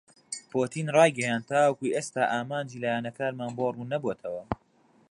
پوتین رایگەیاند تاوەکو ئێستا ئامانجی لایەنەکانمان بۆ رووننەبووەتەوە.